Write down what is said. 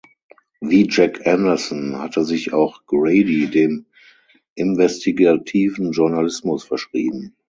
Wie Jack Anderson hatte sich auch Grady dem investigativen Journalismus verschrieben.